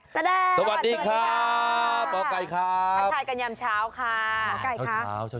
สวัสดีครับหมอไก่ครับพันทายกันยามเช้าค่ะ